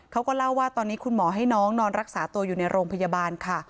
เขาก็เล่าว่าตอนนี้คุณหมอให้น้องนอนรักษาตัวอยู่ในโรงพยาบาลค่ะ